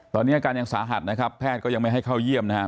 ตอนนี้อาการยังสาหัสนะครับแพทย์ก็ยังไม่ให้เข้าเยี่ยมนะครับ